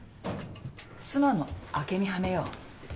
妻の朱美はめよう。